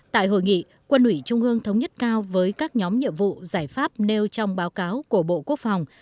tại hội nghị quân ủy trung ương thống nhất cao với các nhóm nhiệm vụ giải pháp nêu trong báo cáo của bộ quốc phòng